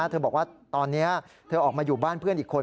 บอกว่าตอนนี้เธอออกมาอยู่บ้านเพื่อนอีกคน